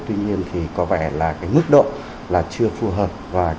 tuy nhiên thì có vẻ là cái mức độ là chưa phù hợp